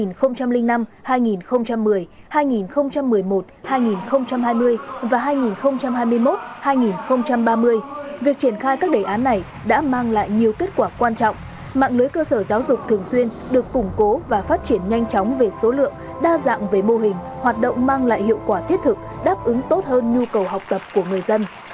từ năm hai nghìn hai mươi và hai nghìn hai mươi một hai nghìn ba mươi việc triển khai các đề án này đã mang lại nhiều kết quả quan trọng mạng lưới cơ sở giáo dục thường xuyên được củng cố và phát triển nhanh chóng về số lượng đa dạng về mô hình hoạt động mang lại hiệu quả thiết thực đáp ứng tốt hơn nhu cầu học tập của người dân